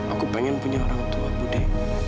aku pengen punya orang tua budi